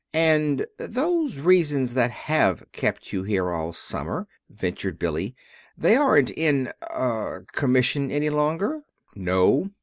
"And those reasons that have kept you here all summer," ventured Billy, "they aren't in er commission any longer?" "No."